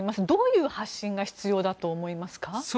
どういう発信が必要だと思いますか。